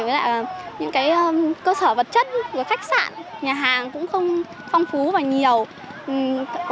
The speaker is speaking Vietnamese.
với lại những cái cơ sở vật chất khách sạn nhà hàng cũng không phong phú và nhiều